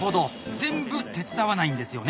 全部手伝わないんですよね。